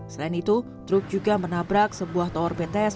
selain itu truk juga menabrak sebuah tower bts